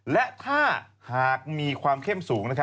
และถ้าหากมีความเข้มสูง